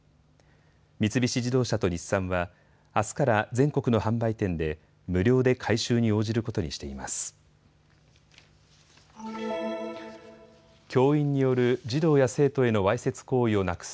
三菱自動車と日産はあすから全国の販売店で無料で改修に応じることにしています。